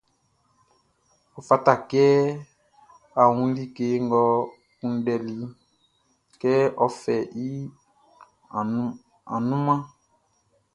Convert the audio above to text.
Ɔ fata kɛ ɔ wun like ngʼɔ kunndɛliʼn, kɛ ɔ fɛ i annunmanʼn.